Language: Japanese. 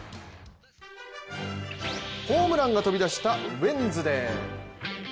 ホームランが飛び出したウエンズデー。